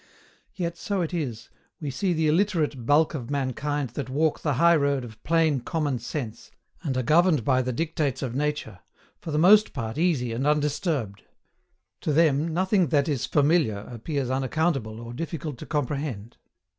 Yet so it is, we see the illiterate bulk of mankind that walk the high road of plain common sense, and are governed by the dictates of nature, for the most part easy and undisturbed. To them nothing THAT IS FAMILIAR appears unaccountable or difficult to comprehend.